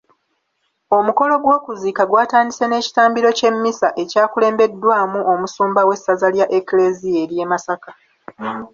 Omukolo gw’okuziika gwatandise n’ekitambiro ky’emmisa ekyakulembeddwamu Omusumba w’essaza lya Eklezia ery’e Masaka.